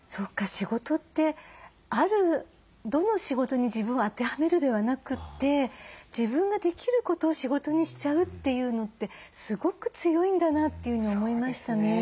仕事ってあるどの仕事に自分を当てはめるではなくて自分ができることを仕事にしちゃうっていうのってすごく強いんだなというふうに思いましたね。